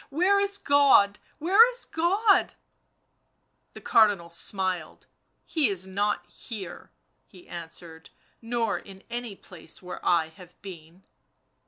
"Where is God? where is God?" The Cardinal smiled. " He is not here," he answered, " nor in any place where I have been."